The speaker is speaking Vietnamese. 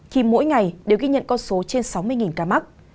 thì mỗi ngày đều ghi nhận con số trên sáu mươi ca mắc